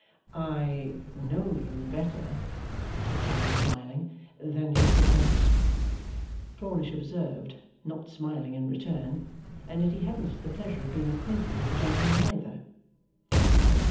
'I know you better,' said Clennam, smiling, 'than you suppose.' Plornish observed, not smiling in return, And yet he hadn't the pleasure of being acquainted with the gentleman, neither.